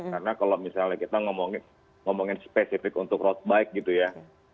karena kalau misalnya kita ngomongin spesifik untuk road bike gitu ya